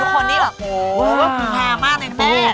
อ๋อเมื่อกลายดุงไว้เกินขึ้นมา